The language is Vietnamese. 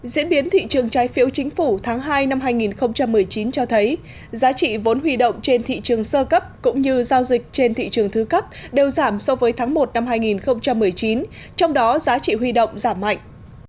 diễn biến thị trường trái phiếu chính phủ tháng hai năm hai nghìn một mươi chín cho thấy giá trị vốn huy động trên thị trường sơ cấp cũng như giao dịch trên thị trường thứ cấp đều giảm so với tháng một năm hai nghìn một mươi chín trong đó giá trị huy động giảm mạnh